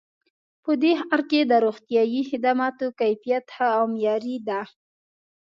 په دې ښار کې د روغتیایي خدماتو کیفیت ښه او معیاري ده